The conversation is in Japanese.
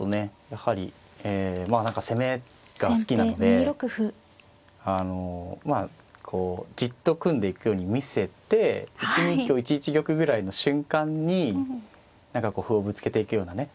やはりまあ何か攻めが好きなのであのまあこうじっと組んでいくように見せて１二香１一玉ぐらいの瞬間に何かこう歩をぶつけていくようなね